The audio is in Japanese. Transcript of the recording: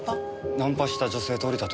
ナンパした女性と降りたというのか？